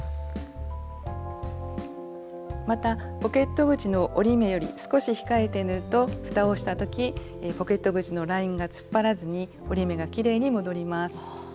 またポケット口の折り目より少し控えて縫うとふたをした時ポケット口のラインが突っ張らずに折り目がきれいに戻ります。